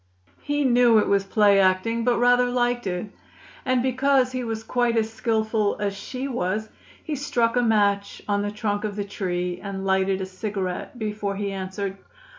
He knew it was play acting, but rather liked it; and, because he was quite as skillful as she was, he struck a match on the trunk of the tree and lighted a cigarette before he answered.